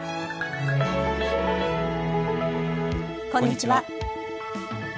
こんにちは。